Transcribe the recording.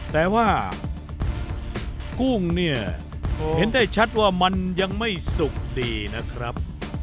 แต่ว่ากุ้งเนี่ยเห็นได้ชัดว่ามันยังไม่สุกดีนะครับ